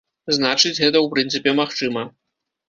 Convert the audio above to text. Значыць, гэта ў прынцыпе магчыма.